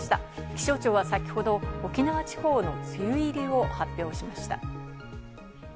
気象庁は先ほど沖縄地方の梅雨入りを発表しました。